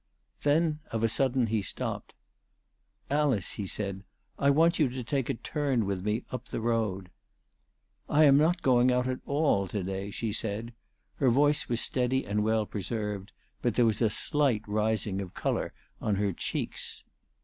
Then of a sudden he stopped. "Alice," he said, "I want you to take a turn with me up the road." " I am not going out at all to day," she said. Her voice was steady and well preserved ; but there was a slight rising of colour on her cheeks.